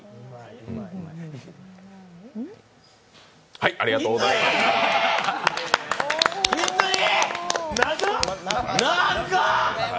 はい、ありがとうございますむずい。